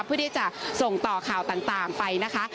เพื่อที่จะส่งต่อข่าวต่างไปนะคะ